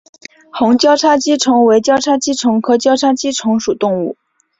红交叉棘虫为交叉棘虫科交叉棘虫属的动物。